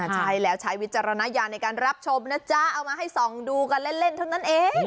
ใช่แล้วใช้วิจารณญาณในการรับชมนะจ๊ะเอามาให้ส่องดูกันเล่นเท่านั้นเอง